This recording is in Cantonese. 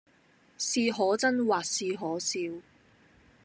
是可憎或是可笑，